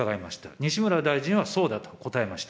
西村大臣はそうだと答えました。